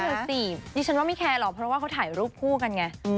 นั่นสิดิฉันว่าไม่แคร์หรอกเพราะว่าเขาถ่ายรูปคู่กันไง